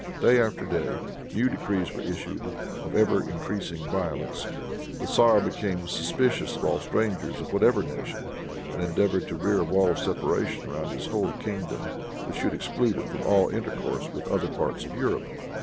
Day after day new decrees were issued, of ever increasing violence. The tzar became suspicious of all strangers of whatever nation, and endeavored to rear a wall of separation around his whole kingdom which should exclude it from all intercourse with other parts of Europe.